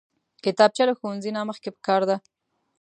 کتابچه له ښوونځي نه مخکې پکار ده